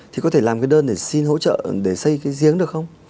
thì có thể làm cái đơn để xin hỗ trợ để xây cái giếng được không